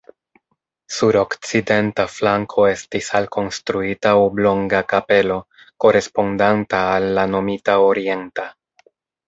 Sur okcidenta flanko estis alkonstruita oblonga kapelo korespondanta al la nomita orienta.